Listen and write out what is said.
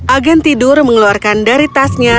agen tidur mengeluarkan dari tasnya